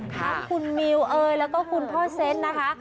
ทั้งคุณมิวเอยแล้วก็คุณพ่อเซนต์นะคะ